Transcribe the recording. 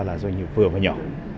là doanh nghiệp vừa và nhỏ